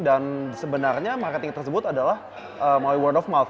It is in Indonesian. dan sebenarnya marketing tersebut adalah word of mouth